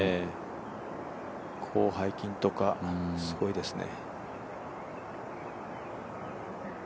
広背筋とかすごいですね。